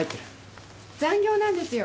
残業なんですよ。